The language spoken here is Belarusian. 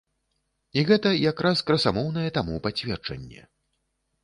І гэта якраз красамоўнае таму пацверджанне.